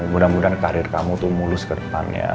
mudah mudahan karir kamu tuh mulus kedepannya